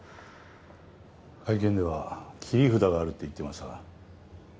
会見では切り札があるって言ってましたが。